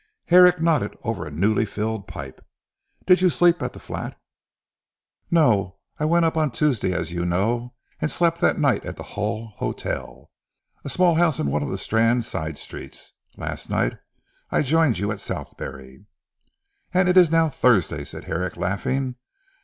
Herrick nodded over a newly filled pipe. "Did you sleep at the flat?" "No, I went up on Tuesday as you know, and slept that night at the Hull Hotel, a small house in one of the Strand side streets. Last night, I joined you at Southberry." "And it is now Thursday," said Herrick laughing.